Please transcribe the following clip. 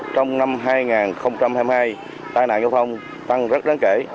trong năm hai nghìn hai mươi hai tai nạn giao thông tăng rất đáng kể